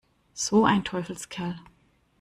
So ein Teufelskerl!